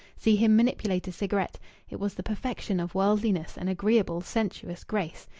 See him manipulate a cigarette it was the perfection of worldliness and agreeable, sensuous grace!